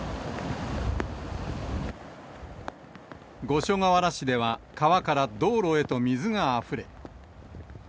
五所川原市では川から道路へと水があふれ。